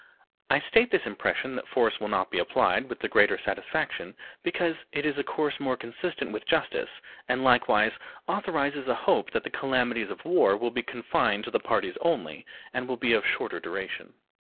I state this impression that force will not be applied with the greater satisfaction because it is a course more consistent with justice and likewise authorizes a hope that the calamities of the war will be confined to the parties only, and will be of shorter duration.